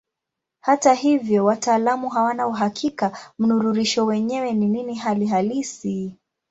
Hata hivyo wataalamu hawana uhakika mnururisho mwenyewe ni nini hali halisi.